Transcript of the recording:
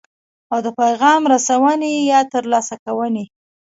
او د پیغام رسونې یا ترلاسه کوونې.